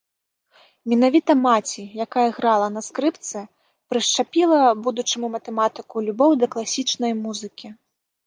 Менавіта маці, якая грала на скрыпцы, прышчапіла будучаму матэматыку любоў да класічнай музыкі.